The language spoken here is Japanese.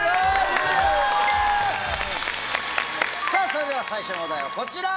それでは最初のお題はこちら！